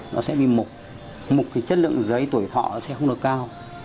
nó sẽ bị mục mục thì chất lượng giấy tuổi thọ sẽ không được cao